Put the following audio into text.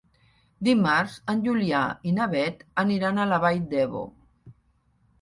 Dimarts en Julià i na Beth aniran a la Vall d'Ebo.